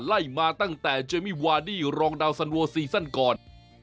ไล่มาตั้งแต่เจมมี่วาดี้รองดาวสันโวซีซั่นก่อน